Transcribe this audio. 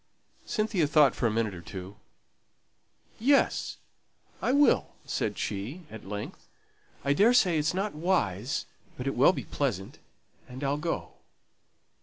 Cynthia thought for a minute or two. "Yes, I will," said she, at length. "I daresay it's not wise; but it will be pleasant, and I'll go.